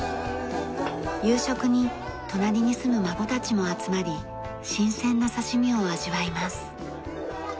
夕食に隣に住む孫たちも集まり新鮮な刺し身を味わいます。